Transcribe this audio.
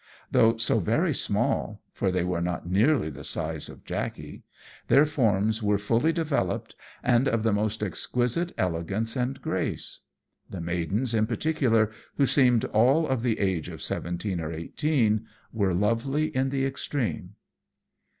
Though so very small for they were not nearly the size of Jackey their forms were fully developed, and of the most exquisite elegance and grace. The maidens in particular, who seemed all of the age of seventeen or eighteen, were lovely in the extreme.